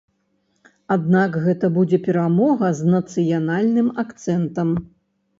Аднак гэта будзе перамога з нацыянальным акцэнтам.